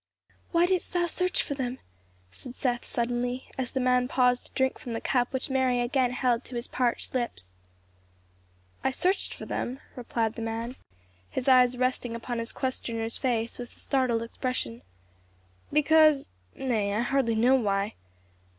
"Why didst thou search for them," said Seth suddenly, as the man paused to drink from the cup which Mary again held to his parched lips. "I searched for them," replied the man, his eyes resting upon his questioner's face with a startled expression, "because Nay, I hardly know why.